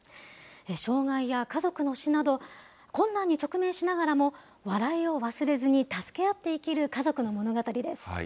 障害や家族の死など、困難に直面しながらも、笑いを忘れずに助け合って生きる家族の物語です。